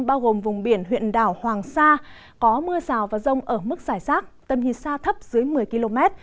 bao gồm vùng biển huyện đảo hoàng sa có mưa rào và rông ở mức giải rác tầm nhìn xa thấp dưới một mươi km